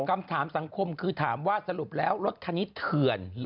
คำถามสังคมคือถามว่าสรุปแล้วรถคันนี้เถื่อน